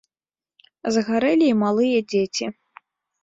Згарэлі і малыя дзеці.